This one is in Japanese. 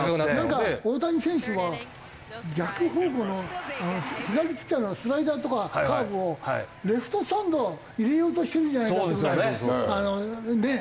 なんか大谷選手は逆方向の左ピッチャーのスライダーとかカーブをレフトスタンド入れようとしてるんじゃないかっていうぐらいねえ？